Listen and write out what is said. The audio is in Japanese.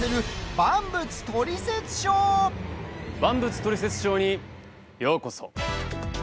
「万物トリセツショー」にようこそ！